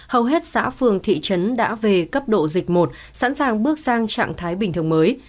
hầu hết xã phường thị trấn đã về cấp độ dịch một sẵn sàng bước sang trạng thái bình thường mới